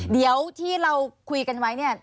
เดี๋ยวที่เราคุยกันไว้เนี่ย